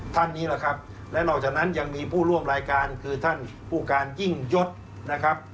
ท่านนี้แหละครับและนอกจากนั้นยังมีผู้ร่วมรายการคือท่านผู้การยิ่งยศนะครับ